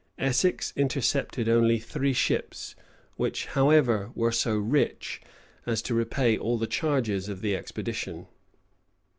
Essex intercepted only three ships; which, however, were so rich, as to repay all the charges of the expedition.